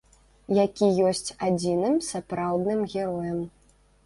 Які ёсць адзіным сапраўдным героем.